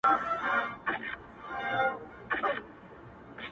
o دا حالت د خدای عطاء ده، د رمزونو په دنيا کي،